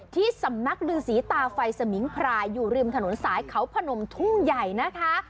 ที่สำนักลือสีตาไฟสมิงพรายอยู่ริมถนนสายเขาพนมทุ่งใหญ่นะคะ